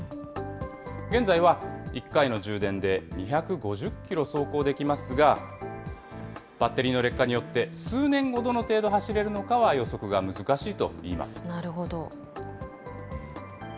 現在は１回の充電で２５０キロ走行できますが、バッテリーの劣化によって、数年後、どの程度走れるのかは予測が難しいといいます。